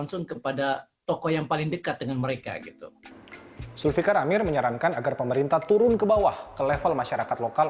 zulfikar amir menyarankan agar pemerintah turun ke bawah ke level masyarakat lokal